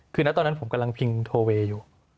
คือณตอนนั้นผมกำลังพิงโทเวย์อยู่